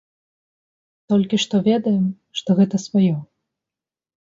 Толькі што ведаем, што гэта сваё.